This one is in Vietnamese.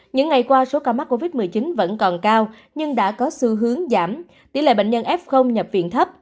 những ngày qua số ca mắc covid một mươi chín vẫn còn cao nhưng đã có xu hướng giảm tỷ lệ bệnh nhân f nhập viện thấp